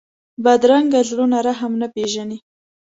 بدرنګه زړونه رحم نه پېژني